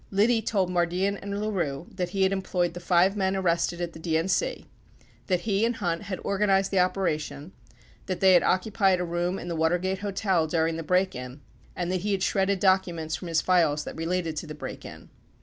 52 Liddy told Mardian and LaRue that he had employed the five men arrested at the DNC, that he and Hunt had organized the operation, that they had occupied a room in the Watergate Hotel dur ing the break in and that he had shredded documents from his files that related to the break in.